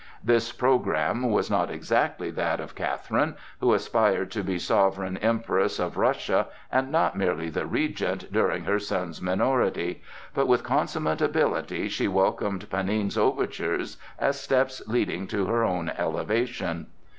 This programme was not exactly that of Catherine, who aspired to be the sovereign Empress of Russia, and not merely the Regent during her son's minority, but with consummate ability she welcomed Panin's overtures as steps leading to her own elevation.